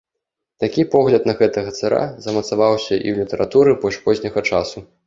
Такі погляд на гэтага цара замацаваўся і ў літаратуры больш позняга часу.